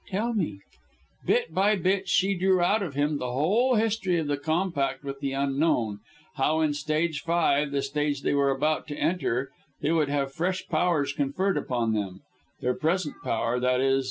"Tell me!" Bit by bit she drew out of him the whole history of the compact with the Unknown, how in stage five, the stage they were about to enter, they would have fresh powers conferred upon them their present power, _i.e.